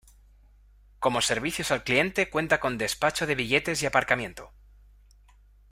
Como servicios al cliente cuenta con despacho de billetes y aparcamiento.